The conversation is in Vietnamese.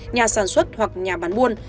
nhà sản xuất hoặc nhà bán muôn